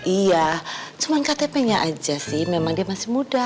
iya cuma ktp nya aja sih memang dia masih muda